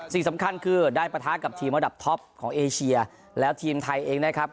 สิ่งสำคัญคือได้ปะทะกับทีมระดับท็อปของเอเชียแล้วทีมไทยเองนะครับ